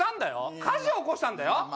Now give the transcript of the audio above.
火事起こしたんだよ。